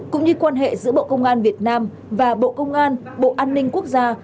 cũng như quan hệ giữa bộ công an việt nam và bộ công an bộ an ninh quốc gia